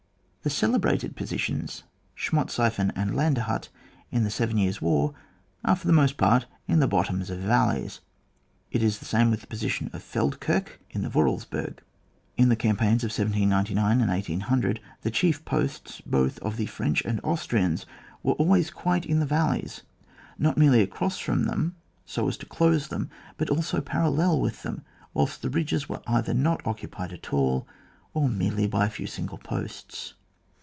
The celebrated positions, Schmotseifen and Landshut, in the Seven Years' War, are for the most part in the bottoms of valleys. It is tike same with the posi tion of Feldkirch, in the Yorarlsberg. In the campaigns of 1799 and 1800, the chief posts, both of the French and Aus trians, were always quite in the valleys, not merely across them so as to close them, but also parallel with them, whilst the ridges were either not occupied at all, or merely by a few single posts.